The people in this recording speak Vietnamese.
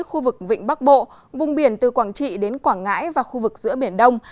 khu vực vịnh bắc bộ vùng biển từ quảng trị đến quảng ngãi và khu vực giữa biển đông